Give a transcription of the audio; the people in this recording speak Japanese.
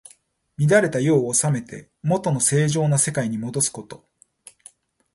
乱れた世を治めて、もとの正常な世にもどすこと。